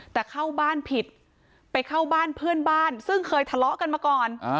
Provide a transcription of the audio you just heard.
แต่เข้าบ้านผิดไปเข้าบ้านเพื่อนบ้านซึ่งเคยทะเลาะกันมาก่อน